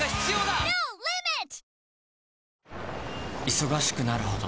忙しくなるほど